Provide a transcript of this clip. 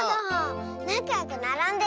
なかよくならんでるね